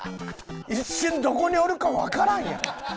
一瞬どこにおるかわからんやん。